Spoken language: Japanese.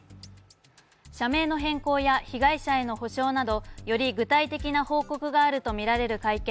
社名の変更や被害者への補償などより具体的な報告があるとみられる会見